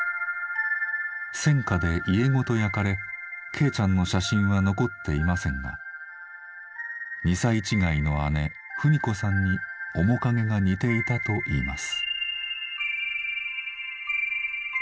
戦火で家ごと焼かれ恵ちゃんの写真は残っていませんが２歳違いの姉文子さんに面影が似ていたといいます。